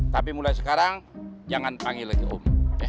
tapi mulai sekarang jangan panggil lagi om